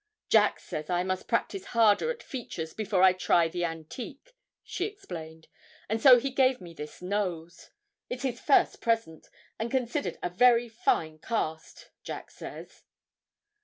'Jack says I must practise harder at features before I try the antique,' she explained, 'and so he gave me this nose; it's his first present, and considered a very fine cast, Jack says.'